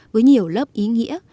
với nhiều lớp ý nghĩa